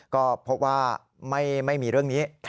ก็พบว่าไม่มีเรื่องนี้